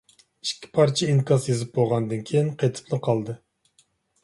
ئىككى پارچە ئىنكاس يېزىپ بولغاندىن كېيىن قېتىپلا قالدى.